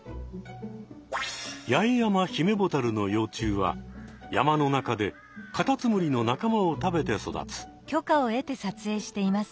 ヤエヤマヒメボタルの幼虫は山の中でカタツムリのなかまを食べて育つ。